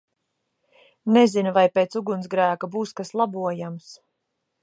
Nezinu, vai pēc ugunsgrēka būs kas labojams